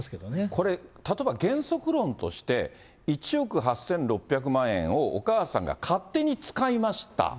これ、例えば原則論として、１億８６００万円をお母さんが勝手に使いました。